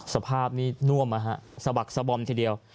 สภาพนี่น่วมนะฮะสะบักสะบอมทีเดียว